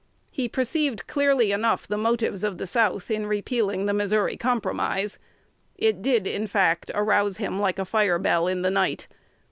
He perceived clearly enough the motives of the South in repealing the Missouri Compromise. It did, in fact, arouse him "like a fire bell in the night."